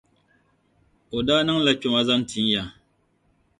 O daa niŋla kpɛma zaŋ ti ya.